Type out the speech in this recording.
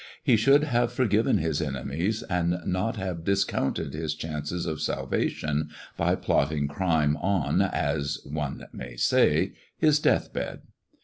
O should have forgiven his enemies, and not have dis ounted his chances of salvation by plotting crime on^ — as me may say — his deathbed.